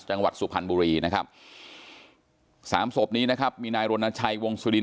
จังหวัดสุพรรณบุรีนะครับสามศพนี้นะครับมีนายรณชัยวงสุริน